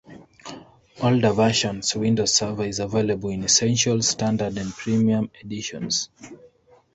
Older versions: Windows Server is available in Essentials, Standard, and Premium editions.